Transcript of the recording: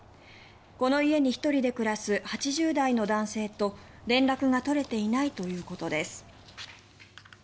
この家に１人で暮らす８０代の男性と連絡が取れていないということです。